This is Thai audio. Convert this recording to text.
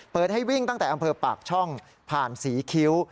ให้วิ่งตั้งแต่อำเภอปากช่องผ่านศรีคิ้ว